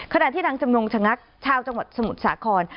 ขณะที่นางจำนงชะงักชาวจังหวัดสมุทรสาคร